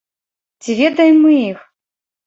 Ці ведаем мы іх?